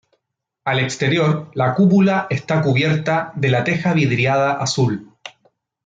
Al exterior, la cúpula está cubierta de la teja vidriada azul.